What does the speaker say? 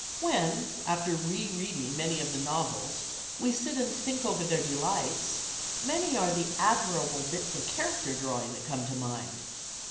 When, after a re reading of the novels, we sit and think over their delights, many are the admirable bits of character drawing that come to mind.